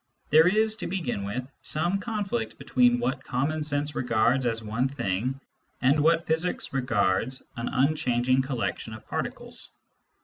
There is, to begin with, some conflict between what common sense regards as one thing, and what physics regards an unchanging collection of particles.